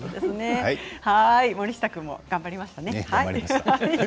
森下君も頑張りましたね。